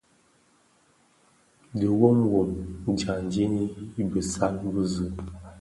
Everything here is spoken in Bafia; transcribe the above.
Dhi wom wom dyaňdi i bisal bize.